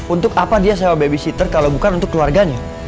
untuk apa dia sewa babysitter kalau bukan untuk keluarganya